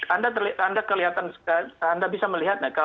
anda terlihat anda kelihatan anda bisa melihat ya